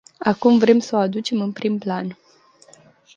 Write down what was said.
Acum vrem să o aducem în prim plan.